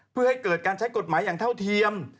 เพื่อให้เกิดการใช้กฎหมายอย่างเท่าเทียม